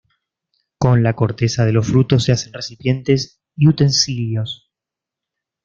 Con la corteza de los frutos se hacen recipientes y utensilios.